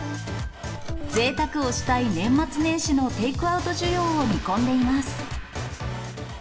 ぜいたくをしたい年末年始のテイクアウト需要を見込んでいます。